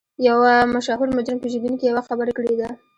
یوه مشهور مجرم پېژندونکي یوه خبره کړې ده